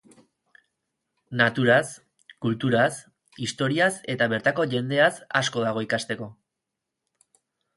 Naturaz, kulturaz, historiaz, eta bertako jendeaz asko dago ikasteko.